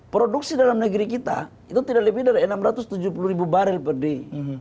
produksi dalam negeri kita itu tidak lebih dari enam ratus tujuh puluh ribu barrel per day